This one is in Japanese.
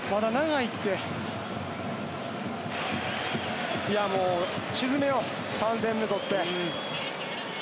いや、もう、沈めよう３点目取って。